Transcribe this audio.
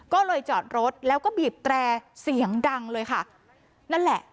ก็เลยจอดรถแล้วก็บีบแตรเสียงดังเลยค่ะนั่นแหละ